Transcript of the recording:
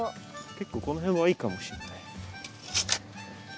結構この辺はいいかもしれない。